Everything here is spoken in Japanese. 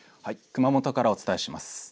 熊本からお伝えします。